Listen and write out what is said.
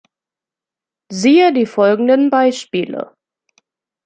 Siehe die folgenden Beispiele.